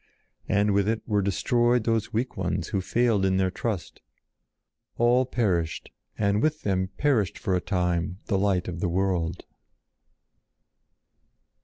And with it were destroyed those weak ones who failed in their trust. All perished and with them perished for a time the Light of the World.